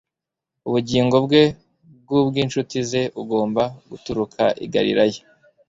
ubugingo bwe ku bw incuti ze ugomba guturuka i galilaya